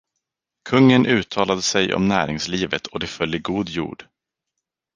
Kungen uttalade sig om näringslivet och det föll i god jord.